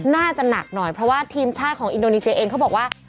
น่าจะหนักหน่อยเพราะว่าทีมชาติของอินโดนีเซียเองเขาบอกว่า